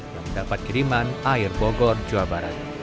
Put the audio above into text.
yang mendapat kiriman air bogor jawa barat